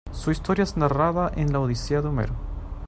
Su historia es narrada en la "Odisea" de Homero.